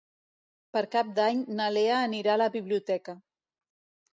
Per Cap d'Any na Lea anirà a la biblioteca.